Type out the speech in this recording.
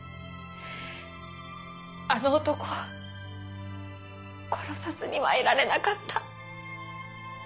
あの男を殺さずにはいられなかった。